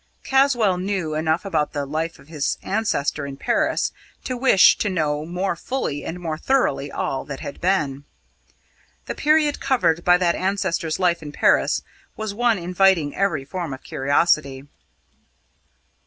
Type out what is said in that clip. Caswall knew enough about the life of his ancestor in Paris to wish to know more fully and more thoroughly all that had been. The period covered by that ancestor's life in Paris was one inviting every form of curiosity.